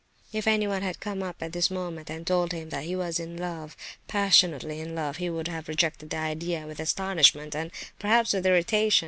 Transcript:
If anyone had come up at this moment and told him that he was in love, passionately in love, he would have rejected the idea with astonishment, and, perhaps, with irritation.